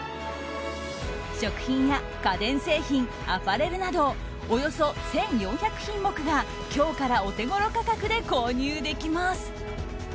食品や家電製品、アパレルなどおよそ１４００品目が今日からお手ごろ価格で購入できます。